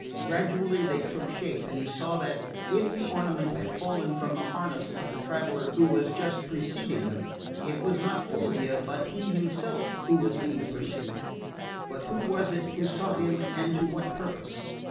Gradually they took shape, and he saw that, if the ornament had fallen from the harness of the traveller who had just preceded them, it was not Fulvia but he himself who was being pursued. But who was it who sought him and to what purpose?